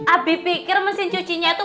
abi pikir mesin cucinya itu